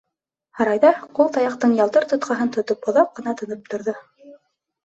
Һарайҙа ҡул таяҡтың ялтыр тотҡаһын тотоп оҙаҡ ҡына тынып торҙо.